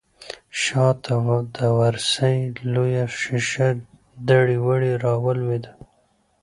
شا ته د ورسۍ لويه شيشه دړې وړې راولوېده.